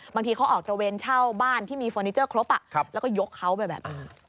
บางทีเขาออกตระเวนเช่าบ้านที่มีเฟอร์นิเจอร์ครบแล้วก็ยกเขาไปแบบนี้